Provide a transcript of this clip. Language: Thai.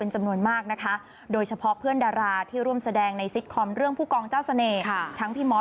จำนวนมากนะคะโดยเฉพาะเพื่อนดาราที่ร่วมแสดงในซิตคอมเรื่องผู้กองเจ้าเสน่ห์ทั้งพี่มอส